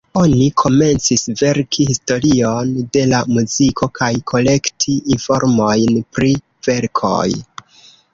Oni komencis verki historion de la muziko kaj kolekti informojn pri verkoj.